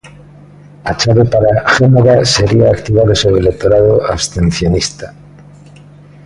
A chave para Génova sería activar o seu electorado abstencionista.